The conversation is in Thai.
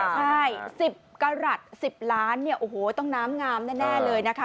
ใช่๑๐กรัฐ๑๐ล้านต้องน้ำงามแน่เลยนะคะ